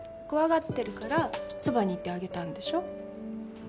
怖がってるからそばにいてあげたんでしょ？